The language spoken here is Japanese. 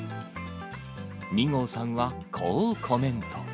ニゴーさんは、こうコメント。